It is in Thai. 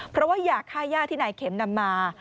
เพราะว่ายาค่าย่าที่นายเข็มนำมา